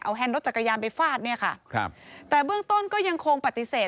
แฮนดรถจักรยานไปฟาดเนี่ยค่ะครับแต่เบื้องต้นก็ยังคงปฏิเสธ